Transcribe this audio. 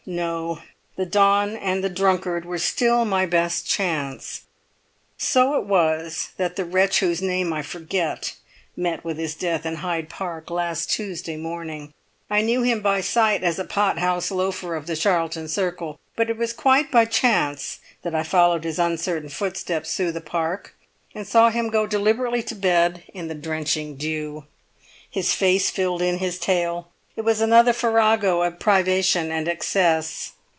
No; the dawn and the drunkard were still my best chance. So it was that the wretch whose name I forget met with his death in Hyde Park last Tuesday morning. I knew him by sight as a pot house loafer of the Charlton circle, but it was quite by chance that I followed his uncertain footsteps through the Park, and saw him go deliberately to bed in the drenching dew. His face filled in his tale; it was another farrago of privation and excess.